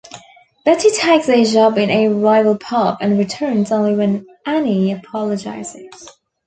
Betty takes a job in a rival pub, and returns only when Annie apologises.